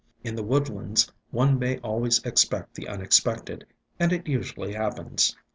In the woodlands one may always expect the unexpected; and it usually happens.